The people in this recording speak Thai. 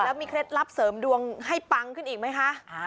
แล้วมีเคล็ดลับเสริมดวงให้ปังขึ้นอีกไหมคะ